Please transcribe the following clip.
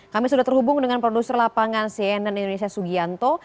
kami sudah terhubung dengan produser lapangan cnn indonesia sugianto